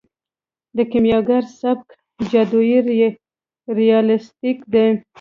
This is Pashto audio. د کیمیاګر سبک جادويي ریالستیک دی.